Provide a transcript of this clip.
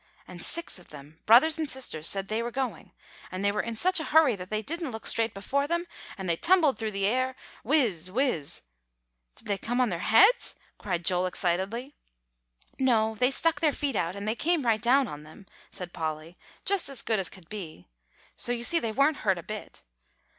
And six of them, brothers and sisters, said they were going; and they were in such a hurry they didn't look straight before them, and they tumbled through the air whiz whiz" "Did they come on their heads?" cried Joel excitedly. "No; they stuck their feet out, and they came right down on them," said Polly, "just as good as could be. So you see they weren't hurt a bit.